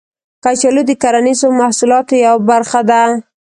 کچالو د کرنیزو محصولاتو یوه برخه ده